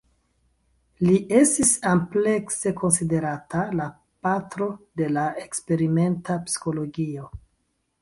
Li estis amplekse konsiderata la "patro de la eksperimenta psikologio".